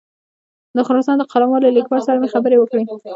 د خراسان د قلموال له لیکوال سره مې خبرې وکړې.